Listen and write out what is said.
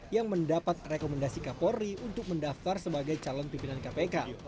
yang mendapat rekomendasi kapolri untuk mendaftar sebagai calon pimpinan kpk